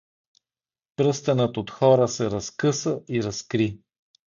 Пръстенът от хора се разкъса и разкри.